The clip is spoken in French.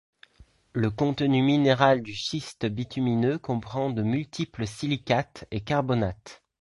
Le contenu minéral du schiste bitumineux comprend de multiples silicates et carbonates.